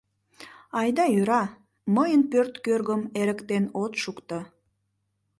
Айда йӧра, мыйын пӧрт кӧргым эрыктен от шукто.